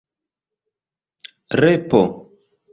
repo